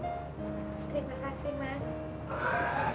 terima kasih mas